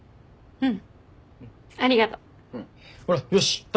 うん。